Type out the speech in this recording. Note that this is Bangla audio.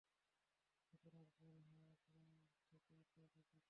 আপনার বোন হই, আপনার থেকেই তো শিখেছি।